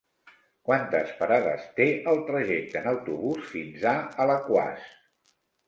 Quantes parades té el trajecte en autobús fins a Alaquàs?